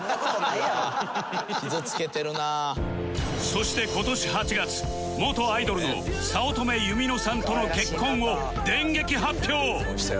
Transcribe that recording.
そして今年８月元アイドルの早乙女ゆみのさんとの結婚を電撃発表